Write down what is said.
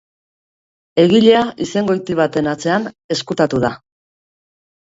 Egilea izengoiti baten atzean ezkutatu da.